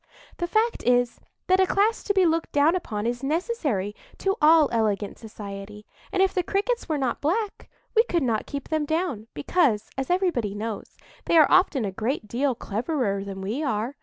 The fact is, that a class to be looked down upon is necessary to all elegant society; and if the Crickets were not black, we could not keep them down, because, as everybody knows, they are often a great deal cleverer than we are.